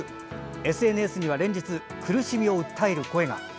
ＳＮＳには連日苦しみを訴える声が。